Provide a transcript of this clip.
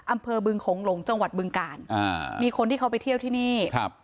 อำเภอบึงโขงหลงจังหวัดบึงกาลอ่ามีคนที่เขาไปเที่ยวที่นี่ครับ